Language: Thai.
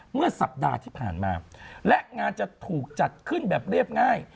เมื่อสัปดาห์ที่ผ่านมาและงานจะถูกจัดขึ้นแบบเรียบง่าย